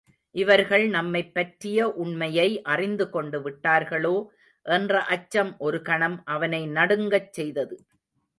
இவர்கள் நம்மைப் பற்றிய உண்மையை அறிந்து கொண்டு விட்டார்களோ என்ற அச்சம் ஒரு கணம் அவனை நடுங்கச் செய்தது.